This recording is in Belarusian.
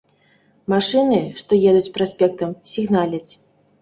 Машыны, што едуць праспектам, сігналяць.